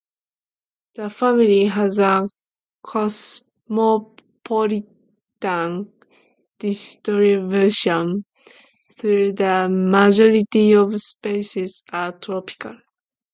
The family has a cosmopolitan distribution, though the majority of species are tropical.